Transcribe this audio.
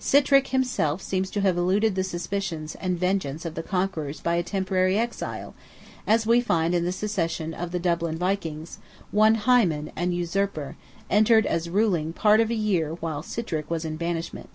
Sitrick himself seems to have eluded the suspicions and vengeance of the conquerors by a temporary exile, as we find in the succession of the Dublin Vikings, "one Hyman, an usurper," entered as ruling "part of a year while Sitrick was in banishment."